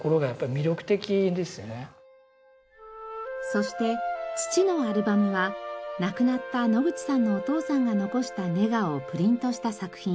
そして「父のアルバム」は亡くなった野口さんのお父さんが残したネガをプリントした作品。